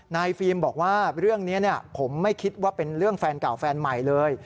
ฟิล์มบอกว่าเรื่องนี้ผมไม่คิดว่าเป็นเรื่องแฟนเก่าแฟนใหม่เลย